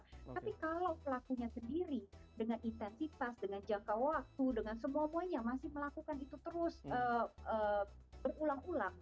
tapi kalau pelakunya sendiri dengan intensitas dengan jangka waktu dengan semuanya masih melakukan itu terus berulang ulang